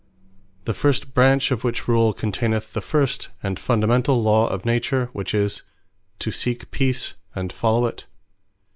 The first branch, of which Rule, containeth the first, and Fundamentall Law of Nature; which is, "To seek Peace, and follow it."